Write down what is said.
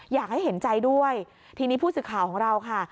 อยากให้เห็นใจด้วยทีนี้ผู้สื่อข่าวของเราค่ะ